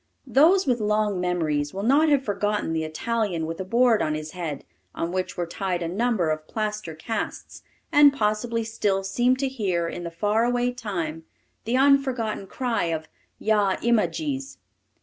Those with long memories will not have forgotten the Italian with a board on his head, on which were tied a number of plaster casts, and possibly still seem to hear, in the far away time, the unforgotten cry of "Yah im a gees."